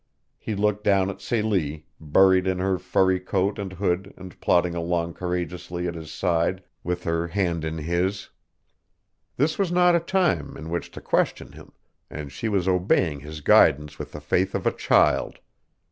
He looked down at Celie, buried in her furry coat and hood and plodding along courageously at his side with her hand in his. This was not a time in which to question him, and she was obeying his guidance with the faith of a child.